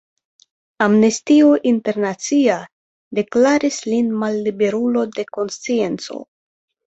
Amnestio Internacia deklaris lin malliberulo de konscienco.